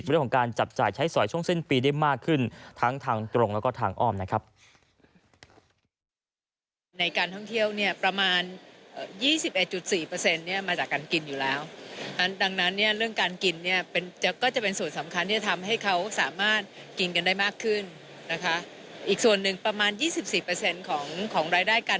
เรื่องของการจับจ่ายใช้สอยช่วงสิ้นปีได้มากขึ้นทั้งทางตรงแล้วก็ทางอ้อมนะครับ